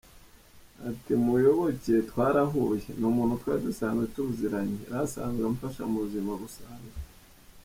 Ati, “Muyoboke twarahuye, ni umuntu twari dusanzwe tuziranye, yari asanzwe amfasha mu buzima busanzwe.